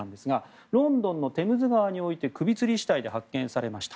ロンドンのテムズ川において首つり死体で発見されました。